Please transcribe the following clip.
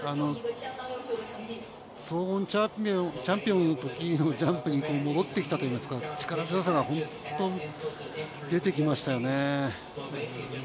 総合チャンピオンのジャンプに戻ってきたというか、力強さが出てきましたよね。